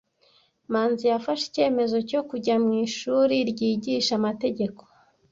Manzi yafashe icyemezo cyo kujya mu ishuri ryigisha amategeko.